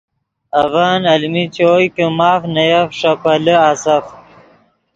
اڤن المین چوئے کہ ماف نے یف ݰے پیلے آسف